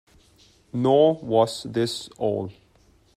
Nor was this all.